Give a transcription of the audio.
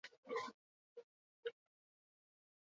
Oso gutxitan ikusten da eta populazio urriak eta bananduak ditu.